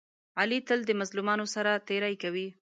علي تل د مظلومانو سره تېری کوي.